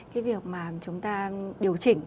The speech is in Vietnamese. cái việc mà chúng ta điều chỉnh